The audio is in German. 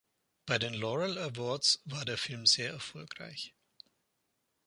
Bei den Laurel Awards war der Film sehr erfolgreich.